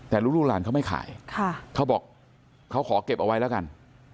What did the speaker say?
แต่ลูกหลานเขาไม่ขายเขาบอกเขาขอเก็บเอาไว้แล้วกัน